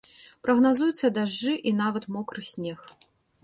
Прагназуюцца дажджы і нават мокры снег.